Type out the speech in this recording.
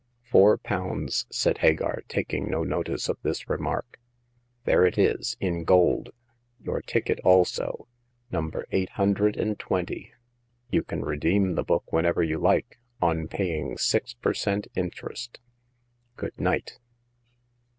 Four pounds," said Hagar, taking no notice of this remark ;there it is, in gold ; your ticket also — number eight hundred and twenty. You can redeem thcN book whenever you like, on paying six per cent, interest. Good night."